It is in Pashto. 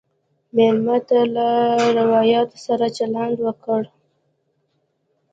مېلمه ته له روایاتو سره چلند وکړه.